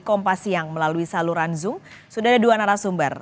kompas siang melalui saluran zoom sudah ada dua narasumber